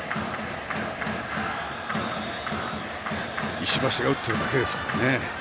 石橋が打っているだけですからね。